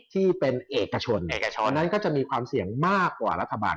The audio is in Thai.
ที่เป็นเอกชนมีความเสี่ยงนิยมมากกว่าที่รัฐบาล